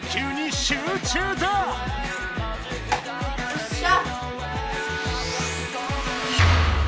よっしゃ！